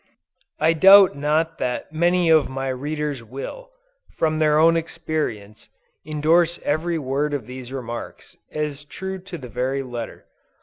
I doubt not that many of my readers will, from their own experience, endorse every word of these remarks, as true to the very letter.